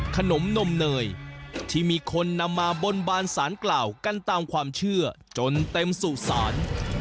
ขนมนมเนยที่มีคนนำมาบนบานสารกล่าวกันตามความเชื่อจนเต็มสุสาน